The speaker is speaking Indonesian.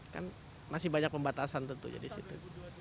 kan masih banyak pembatasan tentunya di situ